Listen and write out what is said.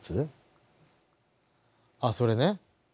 あそれね。